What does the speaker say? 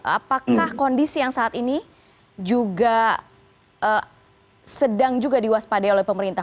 apakah kondisi yang saat ini juga sedang juga diwaspadai oleh pemerintah